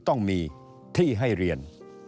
ต้องมีที่ให้เรียน